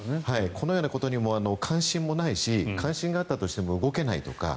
このようなことに関心もないし関心があったとしても動けないとか